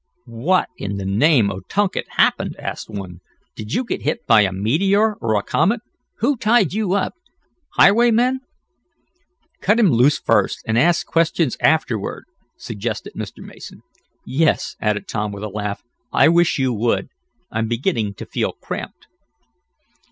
"What in the name o' Tunket happened?" asked one. "Did you get hit by a meteor or a comet? Who tied you up; highwaymen?" "Cut him loose first, and ask questions afterward," suggested Mr. Mason. "Yes," added Tom, with a laugh, "I wish you would. I'm beginning to feel cramped."